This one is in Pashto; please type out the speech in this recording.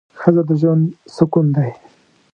ښځه د ژوند سکون دی